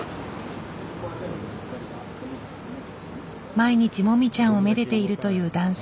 毎日もみちゃんをめでているという男性。